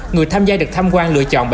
người tham gia được tham quan lựa chọn